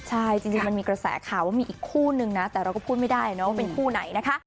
ใช่จริงมันมีกระแสข่าวว่ามีอีกคู่นึงนะแต่เราก็พูดไม่ได้นะว่าเป็นคู่ไหนนะคะ